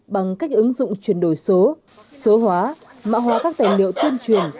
bằng cách ứng dụng chuyển đổi số số hóa mạo hóa các tài liệu tiêm truyền